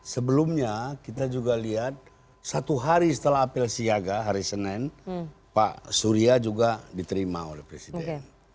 sebelumnya kita juga lihat satu hari setelah apel siaga hari senin pak surya juga diterima oleh presiden